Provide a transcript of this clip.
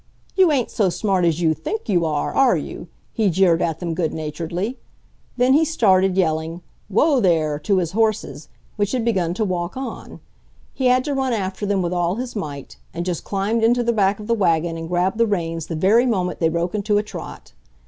"You ain't so smart as you THINK you are, are you!" he jeered at them good naturedly. Then he started, yelling "WHOA there!" to his horses, which had begun to walk on. He had to run after them with all his might, and just climbed into the back of the wagon and grabbed the reins the very moment they broke into a trot.